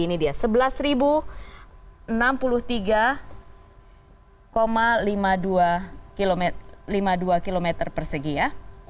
ini dia sebelas enam puluh tiga lima puluh dua km persegi ya